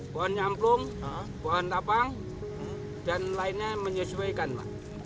pohon nyamplung pohon tapang dan lainnya menyesuaikan pak